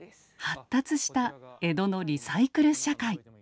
発達した江戸のリサイクル社会。